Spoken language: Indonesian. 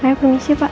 ayah permisi pak